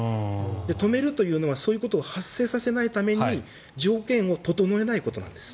止めるというのはそういうことを発生させないために条件を整えないことなんです。